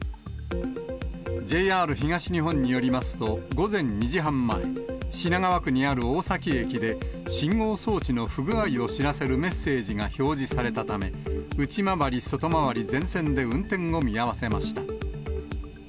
ＪＲ東日本によりますと、午前２時半前、品川区にある大崎駅で信号装置の不具合を知らせるメッセージが表示されたため、内回り、外回り全線で運転を見合わせました。